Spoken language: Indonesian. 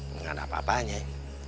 gak ada apa apanya ya